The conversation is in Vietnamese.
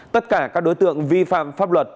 tất cả các đối tượng vi phạm pháp luật